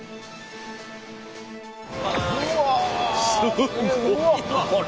すっごいなこれ！